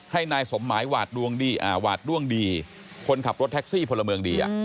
ให้นายสมหมายหวาดด้วงดีคนขับรถแท็กซี่พลเมืองดี